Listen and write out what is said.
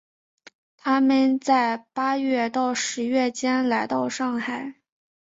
他们在八月到十月间来到上海。